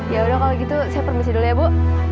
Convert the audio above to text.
ya udah kalau gitu saya permisi dulu ya bu